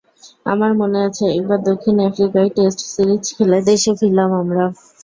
আমার মনে আছে একবার দক্ষিণ আফ্রিকায় টেস্ট সিরিজ খেলে দেশে ফিরলাম আমরা।